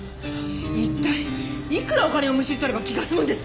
一体いくらお金をむしり取れば気が済むんですか！